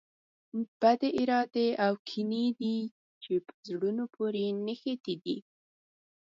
بدې ارادې او کینې دي چې په زړونو پورې نښتي دي.